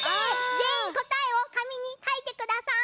ぜんいんこたえをかみにかいてください！